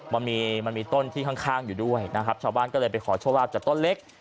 มันมีมันมีต้นที่ข้างอยู่ด้วยนะครับชาวบ้านก็เลยไปขอโชคลาภจากต้นเล็ก